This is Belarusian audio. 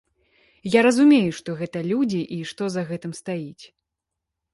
Я разумею, што гэта людзі і што за гэтым стаіць.